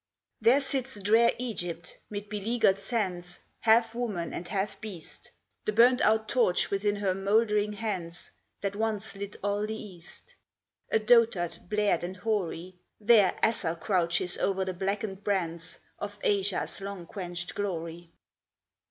There sits drear Egypt, mid beleaguering sands, Half woman and half beast, The burnt out torch within her mouldering hands That once lit all the East; A dotard bleared and hoary, There Asser crouches o'er the blackened brands Of Asia's long quenched glory.